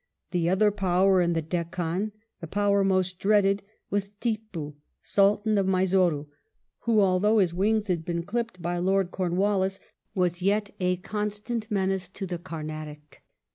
The other power in the Deccan, the power most dreaded, was Tippoo, Sultan of Mysore, who, although his wings had been clipped by Lord Cornwallis, was yet a constant menace to the Camatic.